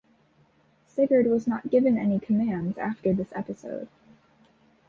Sigurd was not given any commands after this episode.